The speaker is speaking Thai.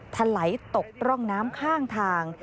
ถลายตกร่องน้ำข้างทาง